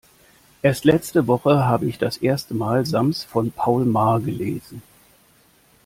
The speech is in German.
Erst letzte Woche habe ich das erste mal Sams von Paul Maar gelesen.